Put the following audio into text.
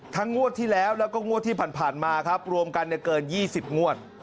งวดที่แล้วแล้วก็งวดที่ผ่านมาครับรวมกันเกิน๒๐งวด